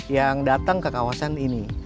yang datang ke kawasan ini